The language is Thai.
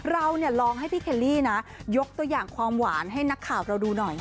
เราเนี่ยลองให้พี่เคลลี่นะยกตัวอย่างความหวานให้นักข่าวเราดูหน่อย